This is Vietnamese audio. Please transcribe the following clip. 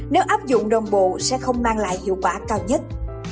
nếu áp dụng đồng bộ sẽ không mang lại hiệu quả cao nhất